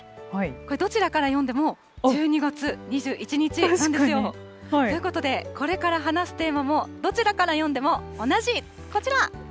これ、どちらから読んでも、１２月２１日なんですよ。ということでこれから話すテーマもどちらから読んでも同じこちら。